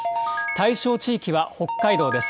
対象地域は北海道です。